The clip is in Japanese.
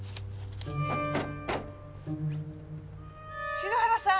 篠原さん